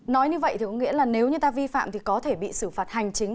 nói như vậy thì có nghĩa là nếu như ta vi phạm thì có thể bị xử phạt hành chính